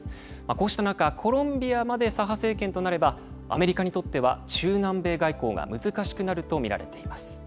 こうした中、コロンビアまで左派政権となれば、アメリカにとっては中南米外交が難しくなると見られています。